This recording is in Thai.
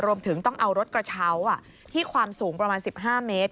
รวมถึงต้องเอารถกระเช้าที่ความสูงประมาณ๑๕เมตร